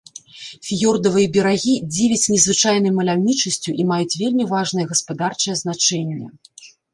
Фіёрдавыя берагі дзівяць незвычайнай маляўнічасцю і маюць вельмі важнае гаспадарчае значэнне.